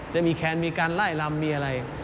มีคนมีการไล่ลำมีอะไร